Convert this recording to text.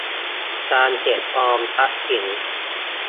การเก็บออมทรัพย์สิน